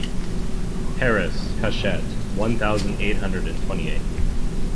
Paris, Hachette, one thousand eight hundred and twenty-eight.